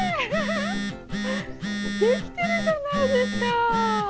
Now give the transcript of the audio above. できてるじゃないですか！